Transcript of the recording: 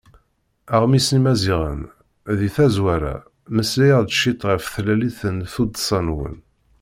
Aɣmis n yimaziɣen: Deg tazwara, mmeslaɣ-d ciṭ ɣef tlalit n tuddsa-nwen.